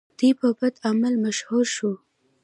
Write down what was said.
دی په بدعمله مشهور شو.